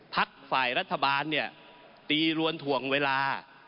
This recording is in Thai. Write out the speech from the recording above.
พักฝ่ายรัฐบาลเนี่ยตีรวนถ่วงเวลา